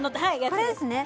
これですね